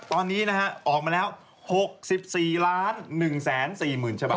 ตอนนี้นะฮะออกมาแล้ว๖๔๑๔๐๐๐ฉบับ